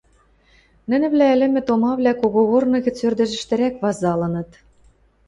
Нинӹвлӓ ӹлӹмӹ томавлӓ когогорны гӹц ӧрдӹжтӹрӓк вазалыныт...